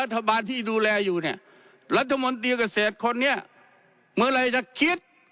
รัฐบาลที่ดูแลอยู่เนี่ยรัฐมนตรีเกษตรคนนี้เมื่อไหร่จะคิด